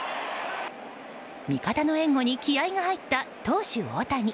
味方の援護に気合が入った投手・大谷。